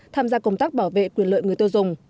tham gia công tác bảo vệ quyền lợi người tiêu dùng